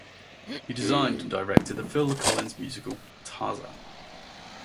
He designed and directed the Phil Collins musical "Tarzan".